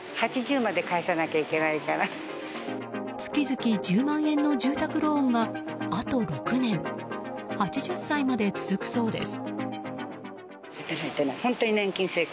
月々１０万円の住宅ローンがあと６年８０歳まで続くそうです。